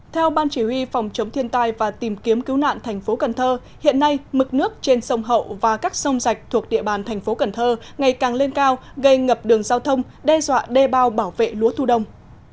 theo ban chỉ huy phòng chống thiên tai và tìm kiếm cứu nạn thành phố cần thơ hiện nay mực nước trên sông hậu và các sông rạch thuộc địa bàn thành phố cần thơ ngày càng lên cao gây ngập đường giao thông đe dọa đê bao bảo vệ lúa thu đông